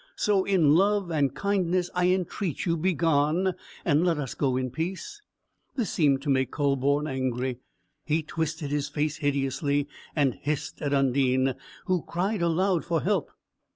So in love and kindness I entreat you, begone, and let us go in peace." This seemed to make Kühleborn angry; he twisted his face hideously, and hissed at Undine, who cried aloud for help.